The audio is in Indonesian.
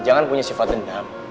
jangan punya sifat dendam